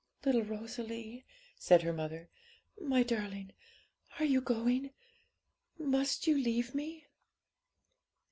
'Little Rosalie,' said her mother, 'my darling, are you going? must you leave me?'